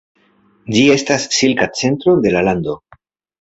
Ĝi estas silka centro de la lando.